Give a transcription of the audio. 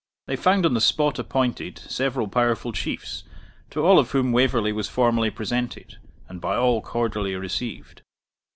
They found on the spot appointed several powerful Chiefs, to all of whom Waverley was formally presented, and by all cordially received.